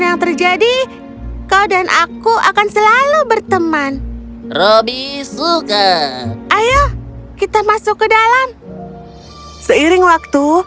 yang terjadi kau dan aku akan selalu berteman roby sulga ayo kita masuk ke dalam seiring waktu